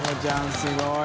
すごい。